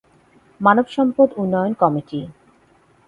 মানবসম্পদ উন্নয়ন কমিটি।